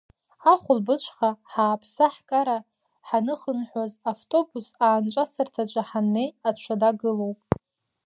Ахәылбыҽха ҳааԥса-ҳкара ҳаныхынҳәуаз, автобус аанҿасырҭаҿы ҳаннеи аҽада гылоуп.